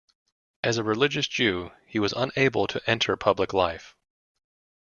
As a religious Jew, he was unable to enter public life.